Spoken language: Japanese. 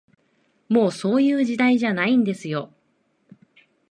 もう、そういう時代じゃないんですよ